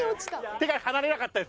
手が離れなかったです。